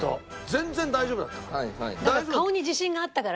全然大丈夫だったの。